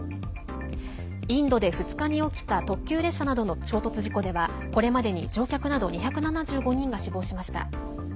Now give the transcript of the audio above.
インドで２日に起きた特急列車などの衝突事故ではこれまでに乗客など２７５人が死亡しました。